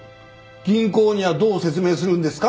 銀行にはどう説明するんですか？